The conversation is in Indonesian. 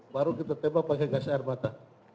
baru kita tembak pakai gas air mata